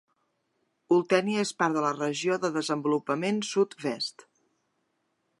Oltenia és part de la regió de desenvolupament Sud - Vest.